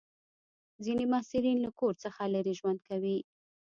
ځینې محصلین له کور څخه لرې ژوند کوي.